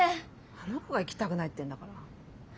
あの子が行きたくないってんだから。